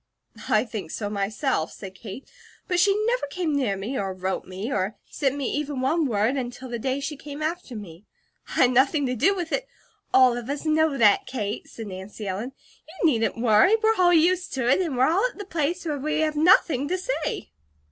"I think so myself," said Kate. "But she never came near me, or wrote me, or sent me even one word, until the day she came after me. I had nothing to do with it " "All of us know that, Kate," said Nancy Ellen. "You needn't worry. We're all used to it, and we're all at the place where we have nothing to say."